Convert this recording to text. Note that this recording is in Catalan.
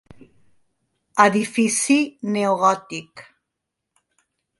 Edifici neogòtic.